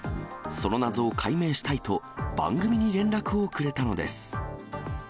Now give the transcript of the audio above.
その謎を解明したいと、番組に連絡をくれたのです。